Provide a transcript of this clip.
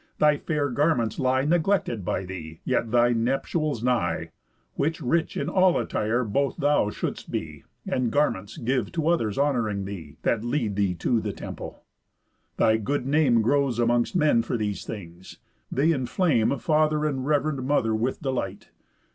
Thy fair garments lie Neglected by thee, yet thy nuptials nigh; When rich in all attire both thou shouldst be, And garments give to others honouring thee, That lead thee to the temple. Thy good name Grows amongst men for these things; they inflame Father and rev'rend mother with delight.